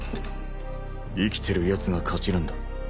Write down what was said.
生きてるやつが勝ちなんだ。